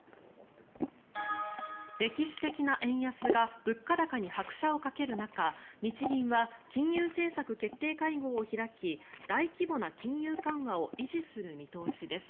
歴史的な円安が物価高に拍車をかける中日銀は金融政策決定会合を開き大規模な金融緩和を維持する見通しです。